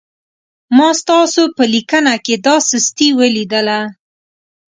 ما ستاسو په لیکنه کې دا سستي ولیدله.